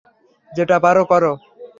যেটা পারো কর।